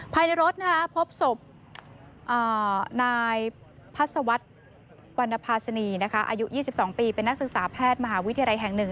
ภายในรถพบศพนายพัศวรรษวรรณภาษณีอายุ๒๒ปีเป็นนักศึกษาแพทย์มหาวิทยาลัยแห่ง๑